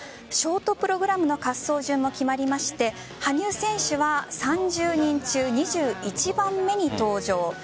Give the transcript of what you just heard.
ショートプログラムの滑走順も決まりまして羽生選手は３０人中２１番目に登場。